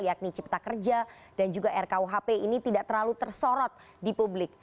yakni cipta kerja dan juga rkuhp ini tidak terlalu tersorot di publik